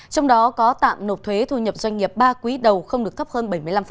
trong đó có tạm nộp thuế thu nhập doanh nghiệp ba quý đầu không được thấp hơn bảy mươi năm